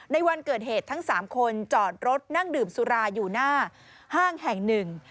ในวันเกิดเหตุทั้ง๓คนจอดรถนั่งดื่มสุราอยู่หน้าห้างแห่งหนึ่ง